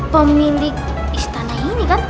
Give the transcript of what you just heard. pemilik istana ini kan